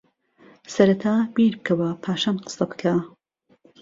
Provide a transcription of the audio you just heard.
سەرەتا بیر بکەوە پاشان قسەبکە